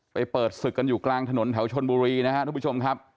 เปิดศึกกันอยู่กลางถนนแถวชนบุรีนะครับทุกผู้ชมครับ